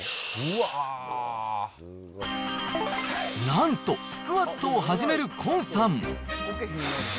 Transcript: なんと、スクワットを始める崑さん。